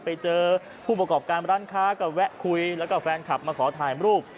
ไปเจอผู้ประกอบการร้านค้าก็แวะคุยแล้วก็แฟนคลับมาขอถ่ายรูป